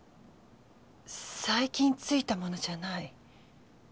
最近憑いたものじゃない。